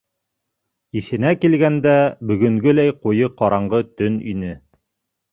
Иҫенә килгәндә бөгөнгөләй ҡуйы ҡараңғы төн ине.